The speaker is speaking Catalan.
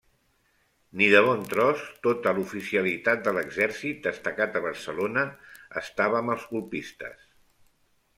Ni de bon tros tota l'oficialitat de l'exèrcit destacat a Barcelona estava amb els colpistes.